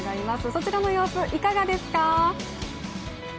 そちらの様子、いかがですか？